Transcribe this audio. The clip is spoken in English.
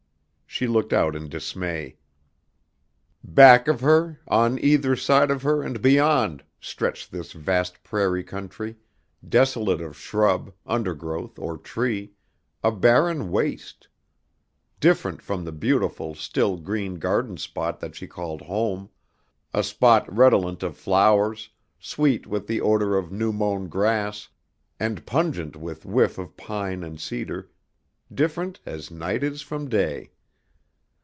She looked out in dismay. Back of her, on either side of her and beyond, stretched this vast prairie country, desolate of shrub, undergrowth, or tree, a barren waste, different from the beautiful, still, green garden spot that she called home, a spot redolent of flowers, sweet with the odor of new mown grass, and pungent with whiff of pine and cedar, different as night is from day.